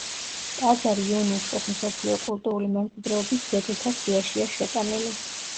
ტაძარი იუნესკოს მსოფლიო კულტურული მემკვიდრეობის ძეგლთა სიაშია შეტანილი.